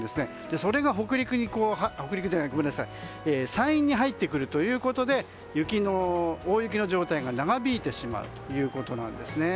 それが山陰に入ってくるということで大雪の状態が長引いてしまうということです。